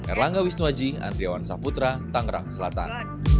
erlangga wisnuaji andriawan saputra tangerang selatan